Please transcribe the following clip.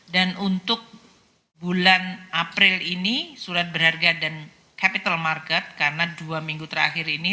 dan untuk bulan april ini surat berharga dan capital market karena dua minggu terakhir ini